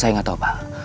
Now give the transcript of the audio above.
saya gak tau pak